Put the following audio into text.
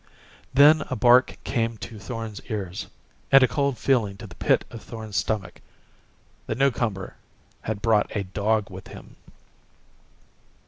Then a bark came to Thorn's ears and a cold feeling to the pit of Thorn's stomach. The newcomer had brought a dog with him!